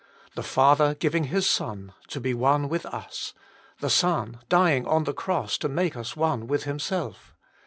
The Father giving His Son to be one with us ! the Son dying on the cross to make us one with Himself